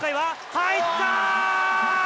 入った！